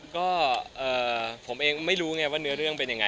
ก็ผมเองไม่รู้ไงว่าเนื้อเรื่องเป็นยังไง